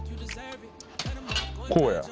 こうや。